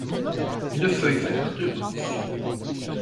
Une feuille verte et mince.